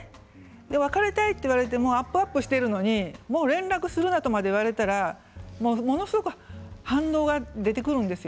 別れたいと言われてあっぷあっぷしているのにもう連絡するなと言われたらものすごく反応が出てくるんです。